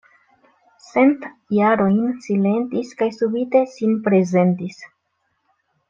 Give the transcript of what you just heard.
Cent jarojn silentis kaj subite sin prezentis.